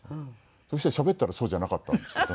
そしたらしゃべったらそうじゃなかったんですけどね。